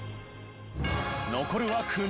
残るは９人。